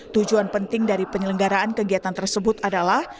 tujuan penting dari penyelenggaraan kegiatan tersebut adalah